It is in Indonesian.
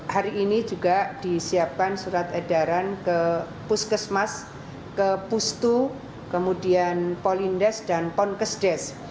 hari ini juga disiapkan surat edaran ke puskesmas ke pustu kemudian polindes dan ponkesdes